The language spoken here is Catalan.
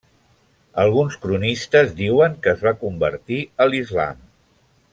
Alguns cronistes diuen que es va convertir a l'islam.